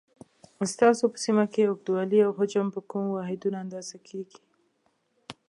ستاسو په سیمه کې اوږدوالی او حجم په کومو واحدونو اندازه کېږي؟